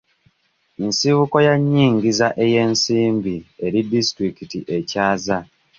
Nsibuko ya nnyingiza ey'ensimbi eri disitulikiti ekyaza.